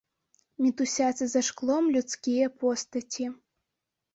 Мітусяцца за шклом людскія постаці.